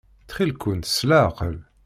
Ttxil-kent s leɛqel.